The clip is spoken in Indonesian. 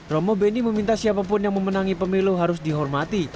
romo beni meminta siapapun yang memenangi pemilu harus dihormati